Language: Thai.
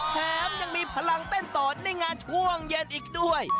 แถมยังมีพลังเต้นต่อในงานช่วงเย็นอีกด้วย